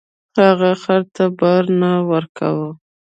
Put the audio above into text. هغه خر ته بار نه ورکاوه.